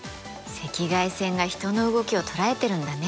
赤外線が人の動きを捉えてるんだね。